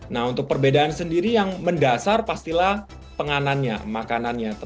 nah untuk perbedaan sendiri yang mendasar pastilah penganannya makanannya